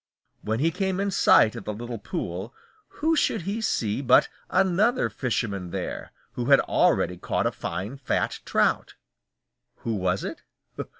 When he came in sight of the little pool, who should he see but another fisherman there, who had already caught a fine fat trout. Who was it?